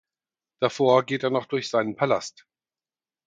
Davor geht er noch durch seinen Palast.